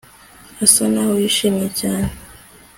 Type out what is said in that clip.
Asa naho yishimye cyane